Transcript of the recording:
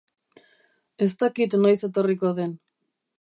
Ez dakit noiz etorriko den.